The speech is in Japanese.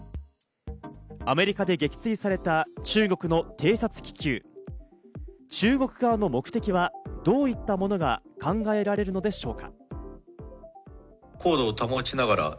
アメリカで撃墜された中国の偵察気球、中国側の目的は、どういったものが考えられるのでしょうか？